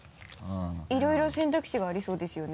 いろいろ選択肢がありそうですよね。